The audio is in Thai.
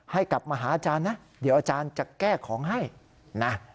ให้กลับมาหาอาจารย์นะเดี๋ยวอาจารย์จะแก้ของให้นะ